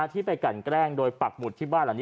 ที่ไปกันแกล้งโดยปรากฏที่บ้าน